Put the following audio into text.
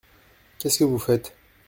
Qu’est-ce que vous faites ?